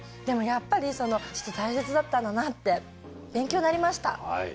でもやっぱり大切だったんだなって勉強になりました。